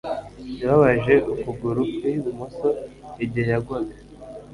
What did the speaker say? Yababaje ukuguru kwi bumoso igihe yagwaga